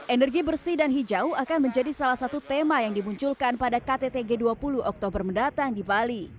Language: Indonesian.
energi bersih dan hijau akan menjadi salah satu tema yang dimunculkan pada kttg dua puluh oktober mendatang di bali